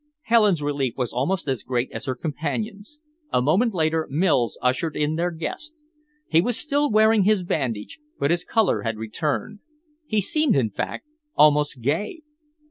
Helen's relief was almost as great as her companion's. A moment later Mills ushered in their guest. He was still wearing his bandage, but his colour had returned. He seemed, in fact, almost gay.